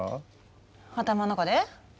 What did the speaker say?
頭の中で？